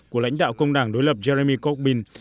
của lãnh đạo công đảng đối lập jeremy corbyn